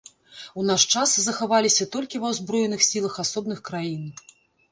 У наш час захаваліся толькі ва узброеных сілах асобных краін.